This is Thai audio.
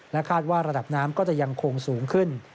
คาดว่าระดับน้ำก็จะยังคงสูงขึ้น